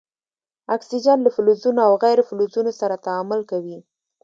اکسیجن له فلزونو او غیر فلزونو سره تعامل کوي.